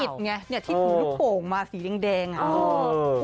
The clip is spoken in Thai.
ที่ถือลูกโป่งมาสีแดงอ่ะ